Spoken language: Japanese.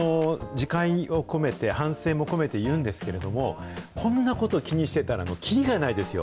自戒を込めて反省も込めて言うんですけれども、こんなこと気にしてたら、きりがないですよ。